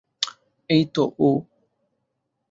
এই তো ও।